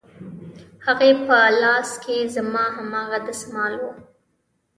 د هغې په لاس کښې زما هماغه دسمال و.